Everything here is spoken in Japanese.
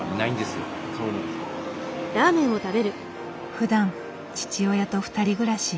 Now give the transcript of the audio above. ふだん父親と２人暮らし。